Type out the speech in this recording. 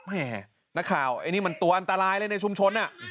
แม่นักข่าวไอ้นี่มันตัวอันตรายเลยในชุมชน